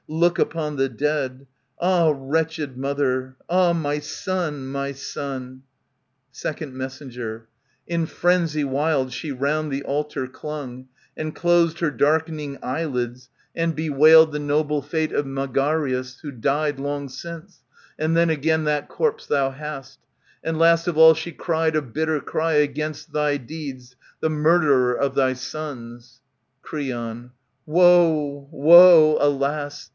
look upon the dead. Ah, wretched mother! ah, my son ! my son I ^"^ Sec, Mess, In frenzy wild she round the altar clung, And closed her darkening eyelids, and bewailed iS6 ANTIGONE *The noble fate of Megareus,^ who died Long since, and then again that corpse thou hast; And last of all she cried a bitter cry Against thy deeds, the murderer of thy sons. Creon, Woe ! woe ! alas